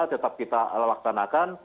tetap kita laksanakan